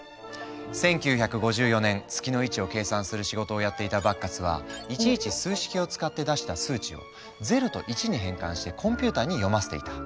１９５４年月の位置を計算する仕事をやっていたバッカスはいちいち数式を使って出した数値を０と１に変換してコンピューターに読ませていた。